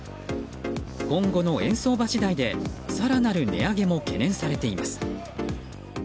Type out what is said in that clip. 今後の円相場次第で更なる値上げも懸念されています。